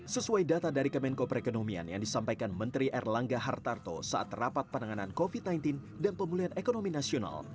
sesuai data dari kemenko perekonomian yang disampaikan menteri erlangga hartarto saat rapat penanganan covid sembilan belas dan pemulihan ekonomi nasional